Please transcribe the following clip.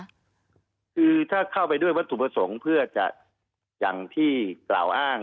คือถ้าเข้าไปด้วยวัตถุประสงค์เพื่อจะอย่างที่กล่าวอ้าง